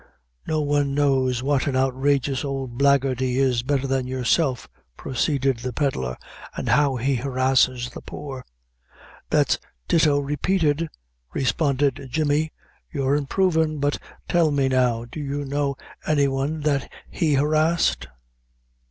"No one knows what an' outrageous ould blackguard he is betther than yourself," proceeded the pedlar; "an' how he harrishes the poor." "That's ditto repated," responded Jemmy; "you're improvrn' but tell me now do you know any one that he harrished?"